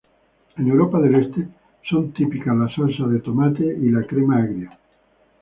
En Europa del Este, son típicas la salsa de tomate y la crema agria.